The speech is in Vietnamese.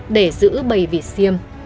để giữ bầy vịt xiêm